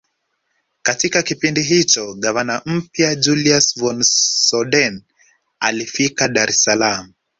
Katika kipindi hicho gavana mpya Julius von Soden alifika Dar es salaam